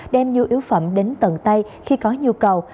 đem nhu yếu phẩm đến tầng tây khi có nhu cầu